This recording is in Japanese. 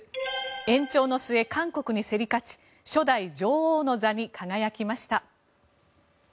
延長の末、韓国に競り勝ち初代女王の座に輝きました。